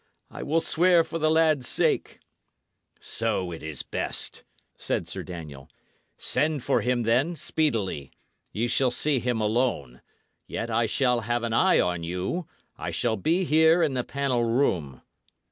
I will swear for the lad's sake." "So is it best!" said Sir Daniel. "Send for him, then, speedily. Ye shall see him alone. Yet I shall have an eye on you. I shall be here in the panel room."